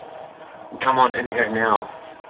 Come on in here now.